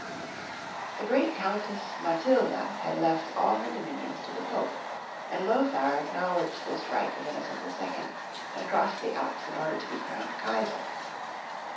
Konrad III. 121 The great Countess Matildia had left all her do minions to the Pope, and Lothar acknowledged this right of Innocent II., and crossed the Alps in order to be crowned Kaisar.